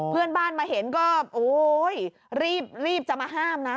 เพื่อนบ้านมาเห็นก็โอ๊ยรีบจะมาห้ามนะ